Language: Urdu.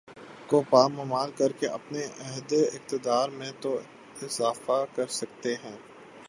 کو پامال کرکے اپنے عہد اقتدار میں تو اضافہ کر سکتے ہیں